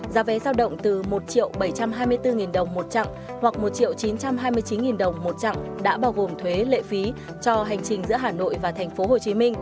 giá vé giao động từ một triệu bảy trăm hai mươi bốn đồng một chặng hoặc một chín trăm hai mươi chín đồng một chặng đã bao gồm thuế lệ phí cho hành trình giữa hà nội và tp hcm